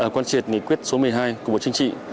quan triệt nghị quyết số một mươi hai của bộ chính trị